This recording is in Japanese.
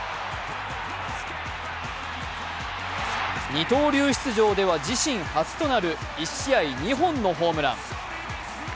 二刀流出場では自身初となる１試合２本のホームラン。